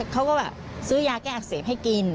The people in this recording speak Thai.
เขาก็แบบซื้อยาแก้อักเสบให้กิน